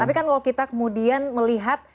tapi kan kalau kita kemudian melihat